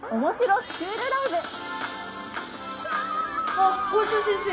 あっ校長先生。